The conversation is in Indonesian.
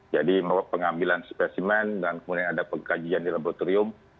jadi mengambil spesimen dan kemudian ada pengkajian di laboratorium